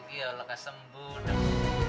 terima kasih bapak